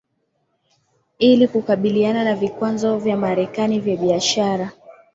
ili kukabiliana na vikwazo vya Marekani vya biashara